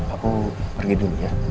aku pergi dulu ya